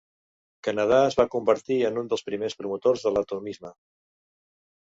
Kanada es va convertir en un dels primers promotors de l'atomisme.